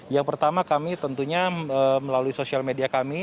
yang pertama kami tentunya melalui sosial media kami